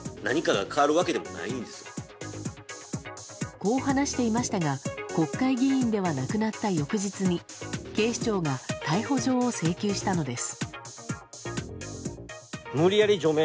こう話していましたが国会議員ではなくなった翌日に警視庁が逮捕状を請求したのです。